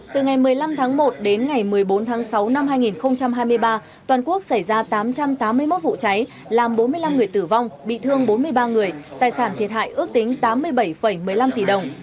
từ ngày một mươi năm tháng một đến ngày một mươi bốn tháng sáu năm hai nghìn hai mươi ba toàn quốc xảy ra tám trăm tám mươi một vụ cháy làm bốn mươi năm người tử vong bị thương bốn mươi ba người tài sản thiệt hại ước tính tám mươi bảy một mươi năm tỷ đồng